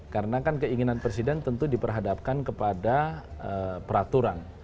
karena kan keinginan presiden tentu diperhadapkan kepada peraturan